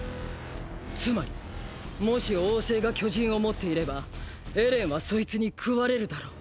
つまりもし王政が巨人を持っていればエレンはそいつに食われるだろう。